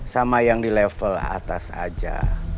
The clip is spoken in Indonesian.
sama yang di level atas saja